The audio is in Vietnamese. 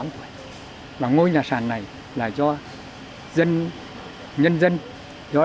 phần bảy là nhà sàn bắc hồ trong khu phủ chủ tịch